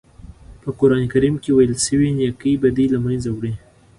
په قرآن کریم کې ویل شوي نېکۍ بدۍ له منځه وړي.